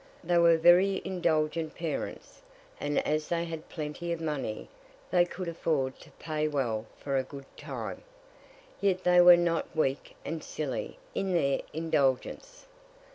They were very indulgent parents, and as they had plenty of money, they could afford to pay well for a "good time." Yet they were not weak and silly in their indulgence.